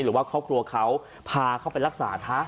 หรือว่าครอบครัวเขาพาเขาไปรักษาฮะ